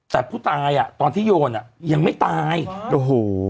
แต่ผู้ตายอ่ะตอนที่โยนอ่ะยังไม่ตายโอ้โห